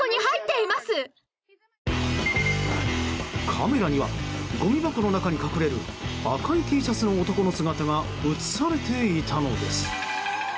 カメラにはごみ箱の中に隠れる赤いＴシャツの男の姿が映されていたのです。